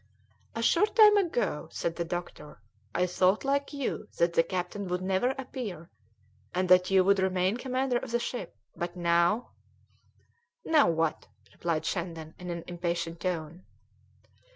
"A short time ago," said the doctor, "I thought like you that the captain would never appear, and that you would remain commander of the ship; but now " "Now what?" replied Shandon in an impatient tone.